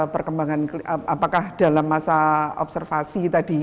perkembangan apakah dalam masa observasi tadi